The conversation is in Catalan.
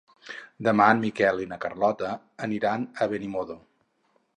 Demà en Miquel i na Carlota aniran a Benimodo.